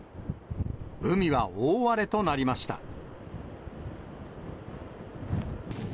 海は大荒れとなりました。